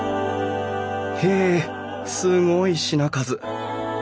へえすごい品数！